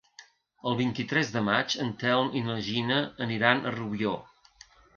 El vint-i-tres de maig en Telm i na Gina aniran a Rubió.